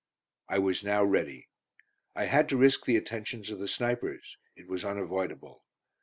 I was now ready. I had to risk the attentions of the snipers; it was unavoidable.